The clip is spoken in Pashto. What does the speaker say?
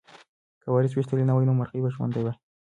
که وارث ویشتلی نه وای نو مرغۍ به ژوندۍ وه.